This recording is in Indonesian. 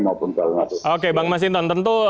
maupun kalau enggak oke bang mas hinton tentu